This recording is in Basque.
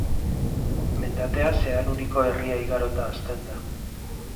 Mendatea Zeanuriko herria igarota hasten da.